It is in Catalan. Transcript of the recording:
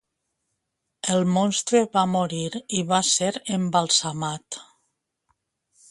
El monstre va morir i va ser embalsamat.